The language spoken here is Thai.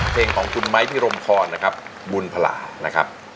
เพลงของคุณไม้พิรมพรนะครับบุญพลานะครับ